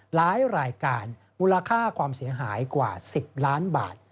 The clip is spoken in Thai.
หลายรายการมูลค่าความเสียหายกว่า๑๐ล้านบาท